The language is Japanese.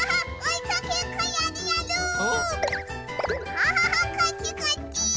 キャハハこっちこっち！